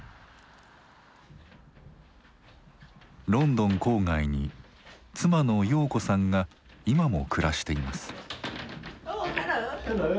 ロンドン郊外に妻の瑤子さんが今も暮らしています。